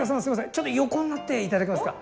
ちょっと横になって頂けますか？